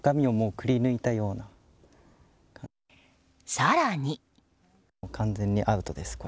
更に。